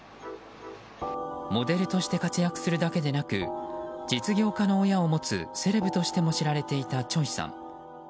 モデルとして活躍するだけでなく実業家の親を持つセレブとしても知られていたチョイさん。